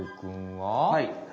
はい。